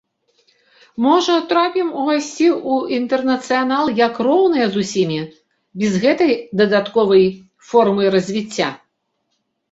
Можа, трапім увайсці ў інтэрнацыянал як роўныя з усімі, без гэтай дадатковай формы развіцця!